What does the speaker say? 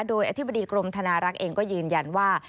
โดยอธิบดีกรมธนารักษ์เองก็ยืนยันว่า